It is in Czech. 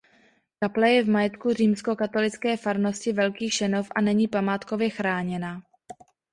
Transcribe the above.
Kaple je v majetku Římskokatolické farnosti Velký Šenov a není památkově chráněna.